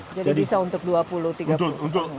jadi bisa untuk dua puluh tiga puluh